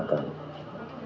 lalu kami datang